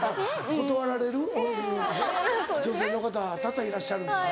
断られる女性の方多々いらっしゃるんですよ。